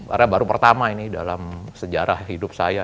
karena baru pertama ini dalam sejarah hidup saya